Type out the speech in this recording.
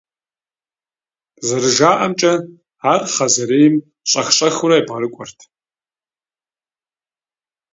Зэрыжаӏэмкӏэ, ар Хъэзэрейм щӏэх-щӏэхыурэ ебгъэрыкӏуэрт.